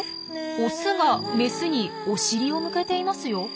オスがメスにお尻を向けていますよ。